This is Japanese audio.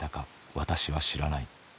私は知らない。